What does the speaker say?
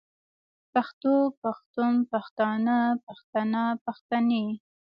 پښتو پښتون پښتانۀ پښتنه پښتنې